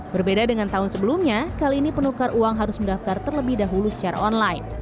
berbeda dengan tahun sebelumnya kali ini penukar uang harus mendaftar terlebih dahulu secara online